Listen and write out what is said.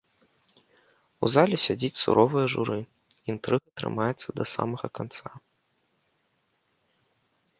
У залі сядзіць суровае журы, інтрыга трымаецца да самага канца.